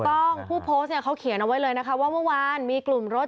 ผู้โพสต์เนี่ยเขาเขียนเอาไว้เลยนะคะว่าเมื่อวานมีกลุ่มรถ